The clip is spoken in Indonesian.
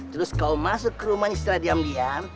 terus kau masuk ke rumah ini secara diam diam